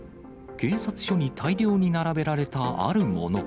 警察署に大量に並べられたあるもの。